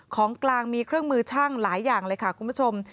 ของกลางมีเครื่องมือช่างหลายอย่างเลยค่ะคุณผู้ชม